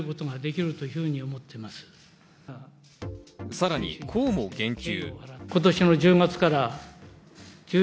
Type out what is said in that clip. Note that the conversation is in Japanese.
さらに、こうも言及。